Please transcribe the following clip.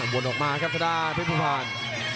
วนออกมาครับจะได้เผ็ดผู้ผ่าน